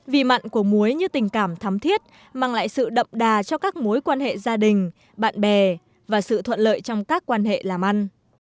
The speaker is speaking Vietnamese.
vì mặn của muối như tình cảm thắm thiết mang lại sự đậm đà cho các mối quan hệ gia đình bạn bè và sự thuận lợi trong các quan hệ làm ăn